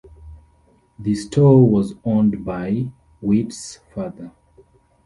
The store was owned by Wheat's father.